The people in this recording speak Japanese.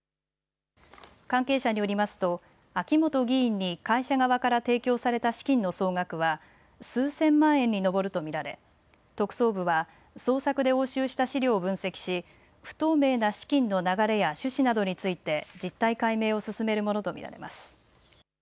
関係者によりますと秋本議員に会社側から提供された資金の総額は数千万円に上ると見られ特捜部は捜索で押収した資料を分析し不透明な資金の流れや趣旨などについて実態解明を進めるものと見られます。